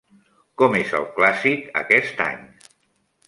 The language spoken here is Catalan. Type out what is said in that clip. Com és el clàssic aquest any?